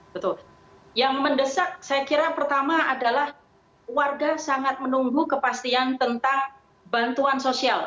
betul yang mendesak saya kira pertama adalah warga sangat menunggu kepastian tentang bantuan sosial